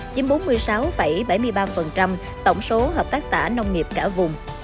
chiếm bốn mươi sáu bảy mươi ba tổng số hợp tác xã nông nghiệp cả vùng